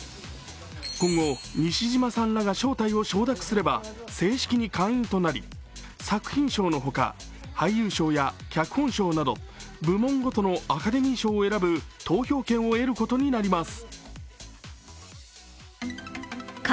今後西島さんらが招待を承諾すれば正式に会員となり作品賞のほか、俳優賞や脚本賞など部門ごとのアカデミー賞を選ぶ投票権を得ることになります。